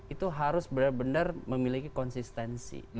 itu harus benar benar memiliki konsistensi